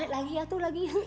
lagi ya tuh lagi